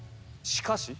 しかし？